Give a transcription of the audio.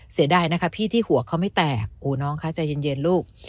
เสียดายนะคะพี่ที่หัวเขาไม่แตกโอ้น้องคะใจเย็นลูก